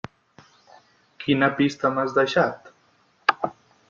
Quina pista m'has deixat?